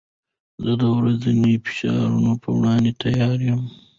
زه د ورځني فشارونو پر وړاندې تیار یم.